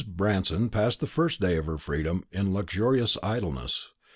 Branston passed the first day of her freedom in luxurious idleness.